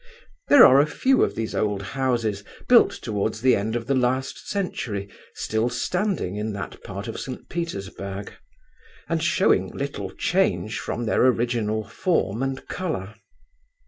There are a few of these old houses, built towards the end of the last century, still standing in that part of St. Petersburg, and showing little change from their original form and colour.